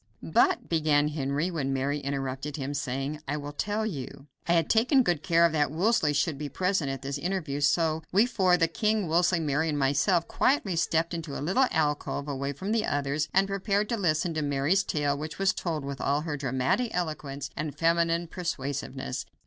"But " began Henry, when Mary interrupted him, saying: "I will tell you " I had taken good care that Wolsey should be present at this interview; so we four, the king, Wolsey, Mary and myself, quietly stepped into a little alcove away from the others, and prepared to listen to Mary's tale, which was told with all her dramatic eloquence and feminine persuasiveness.